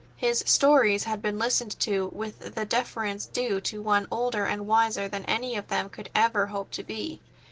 His stories had been listened to with the deference due to one older and wiser than any of them could ever hope to be.